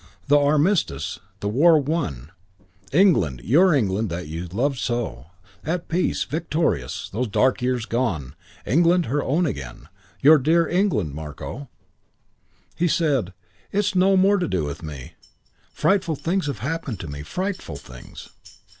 the Armistice, the war won. England, your England that you loved so, at peace, victorious; those dark years done. England her own again. Your dear England, Marko." He said, "It's no more to do with me. Frightful things have happened to me. Frightful things."